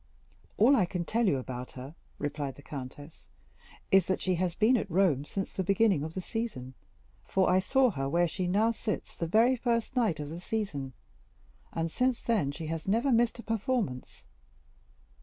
"All I can tell about her," replied the countess, "is, that she has been at Rome since the beginning of the season; for I saw her where she now sits the very first night of the season, and since then she has never missed a performance.